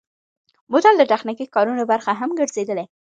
بوتل د تخنیکي کارونو برخه هم ګرځېدلی.